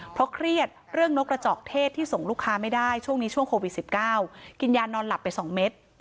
เพราะเครียดเรื่องนกกระจอกเทศที่ส่งลูกค้าไม่ได้ช่วงนี้ช่วงโควิด๑๙กินยานอนหลับไป๒เม็ด